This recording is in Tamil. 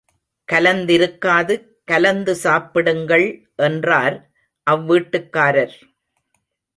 கலந்திருக்காது கலந்து சாப்பிடுங்கள் என்றார் அவ்வீட்டுக்காரர்.